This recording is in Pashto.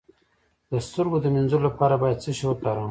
د سترګو د مینځلو لپاره باید څه شی وکاروم؟